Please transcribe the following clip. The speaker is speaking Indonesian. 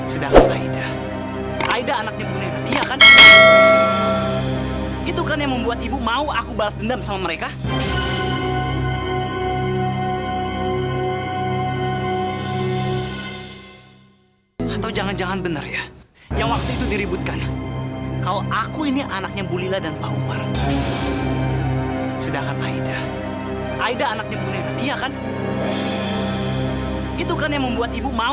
sampai jumpa di video selanjutnya